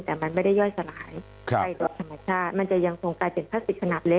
แต่มันไม่ได้ย่อยสลายไปโดยธรรมชาติมันจะยังคงกลายเป็นพลาสติกขนาดเล็ก